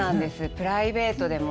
プライベートでも。